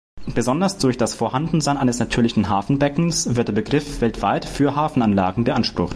Besonders durch das Vorhandensein eines natürlichen Hafenbeckens wird der Begriff weltweit für Hafenanlagen beansprucht.